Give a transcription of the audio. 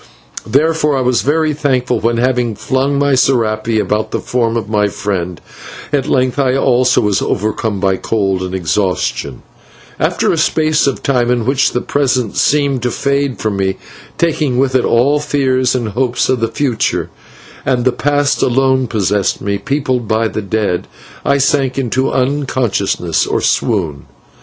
Therefore I was very thankful when, having flung my /serape/ about the form of my friend, at length I also was overcome by cold and exhaustion, and after a space of time, in which the present seemed to fade from me, taking with it all fears and hopes of the future, and the past alone possessed me, peopled by the dead, I sank into unconsciousness or swoon.